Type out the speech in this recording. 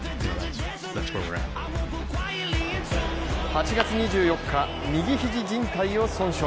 ８月２４日、右肘じん帯を損傷。